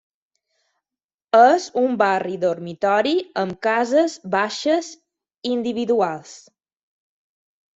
És un barri dormitori amb cases baixes individuals.